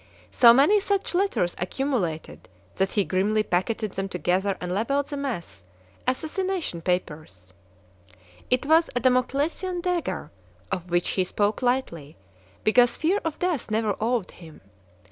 So many such letters accumulated that he grimly packeted them together and labeled the mass: "Assassination Papers." It was a Damoclesian dagger of which he spoke lightly, because fear of death never awed him.